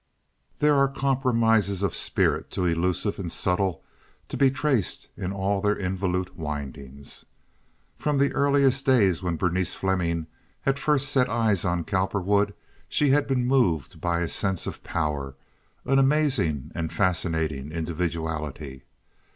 There are compromises of the spirit too elusive and subtle to be traced in all their involute windings. From that earliest day when Berenice Fleming had first set eyes on Cowperwood she had been moved by a sense of power, an amazing and fascinating individuality.